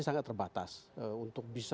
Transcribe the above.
sangat terbatas untuk bisa